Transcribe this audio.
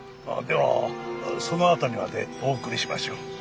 あっではその辺りまでお送りしましょう。